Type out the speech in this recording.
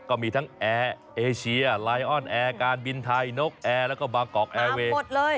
ก็มีทั้งแอร์เอเชียไลออนแอร์การบินไทยนกแอร์แล้วก็บางกอกแอร์เวย์หมดเลย